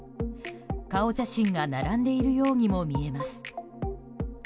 顔写真が並んでいるようにも見えます。